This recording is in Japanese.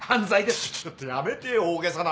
ちょちょちょっとやめてよ大げさな。